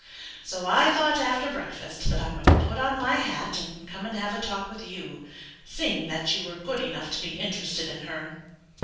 So I thought after breakfast that I would put on my hat and come and have a talk with you, seeing that you were good enough to be interested in her.